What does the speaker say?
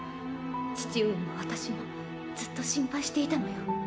父上も私もずっと心配していたのよ。